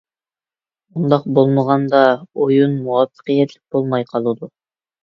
ئۇنداق بولمىغاندا، ئويۇن مۇۋەپپەقىيەتلىك بولماي قالىدۇ.